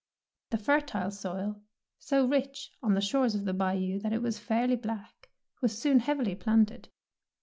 The fertile ^oil, so rich on the shores of the Bayou that it was fairly black, was soon heavily planted.